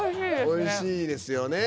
おいしいですよね。